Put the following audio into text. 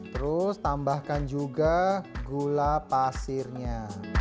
terus tambahkan juga gula pasirnya